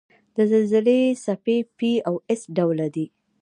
د زلزلې څپې P او S ډوله دي.